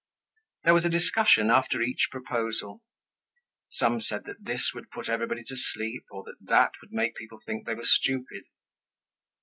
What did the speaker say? There was a discussion after each proposal. Some said that this would put everybody to sleep or that that would make people think they were stupid.